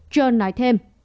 john nói thêm